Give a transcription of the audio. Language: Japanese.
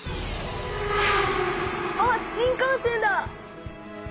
あっ新幹線だ！